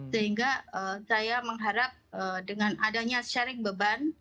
sehingga saya mengharap dengan adanya sharing beban